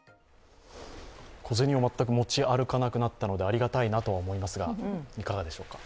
小銭を全く持ち歩かなくなったのでありがたいなとは思いますが、いかがでしょうか？